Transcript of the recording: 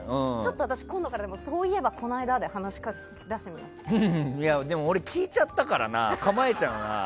私、今度からそういえば、この間で俺、でも聞いちゃったからな構えちゃうな。